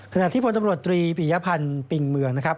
ขณะที่พลตำรวจตรีปียพันธ์ปิงเมืองนะครับ